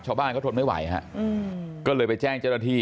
ชาวบ้านเขาทนไม่ไหวฮะก็เลยไปแจ้งเจ้าหน้าที่